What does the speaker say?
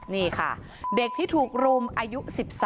นี่ค่ะเด็กที่ถูกรุมอายุ๑๓